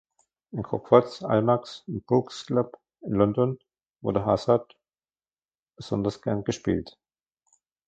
In Crockford’s, Almack’s und Brooks’s Club in London wurde Hazard besonders gerne gespielt.